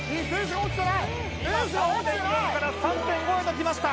今３．４から３．５へときました